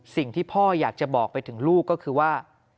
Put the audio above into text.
สิ่งที่พ่ออยากจะบอกไปถึงลูกก็คือว่า